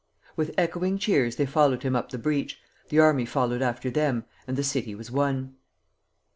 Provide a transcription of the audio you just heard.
With echoing cheers they followed him up the breach, the army followed after them, and the city was won.